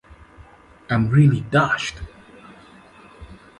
I'm really dashed.